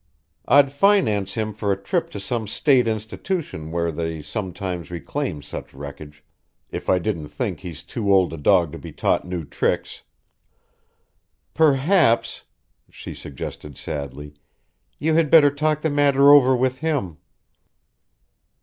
I'd finance him for a trip to some State institution where they sometimes reclaim such wreckage, if I didn't think he's too old a dog to be taught new tricks." "Perhaps," she suggested sadly, "you had better talk the matter over with him."